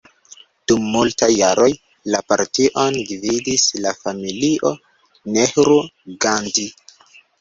Dum multaj jaroj, la partion gvidis la familio Nehru-Gandhi.